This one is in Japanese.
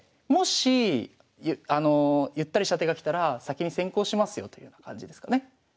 もしゆったりした手がきたら先に先攻しますよという感じですかね。